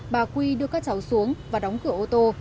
bà quy đưa các cháu xuống và đóng cửa ô tô